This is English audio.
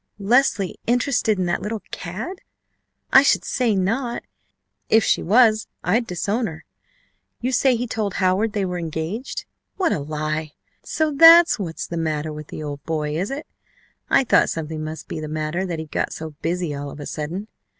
"Leslie interested in that little cad? I should say not. If she was I'd disown her. You say he told Howard they were engaged! What a lie! So that's what's the matter with the old boy, is it? I thought something must be the matter that he got so busy all of a sudden.